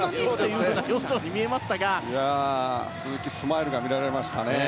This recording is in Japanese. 鈴木スマイルが見えましたね。